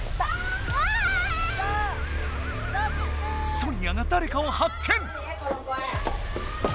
・ソニアがだれかを発見！